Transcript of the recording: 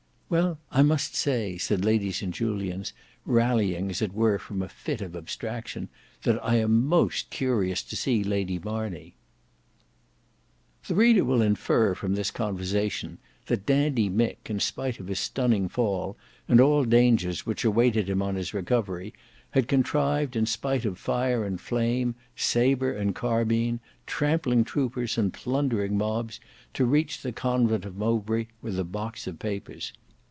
"Well I must say," said Lady St Julians rallying as it were from a fit of abstraction, "that I am most curious to see Lady Marney." The reader will infer from this conversation that Dandy Mick, in spite of his stunning fall, and all dangers which awaited him on his recovery, had contrived in spite of fire and flame, sabre and carbine, trampling troopers and plundering mobs, to reach the Convent of Mowbray with the box of papers.